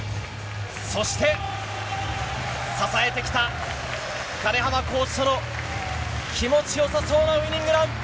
そして、支えてきた金浜コーチとの気持ちよさそうなウイニングラン。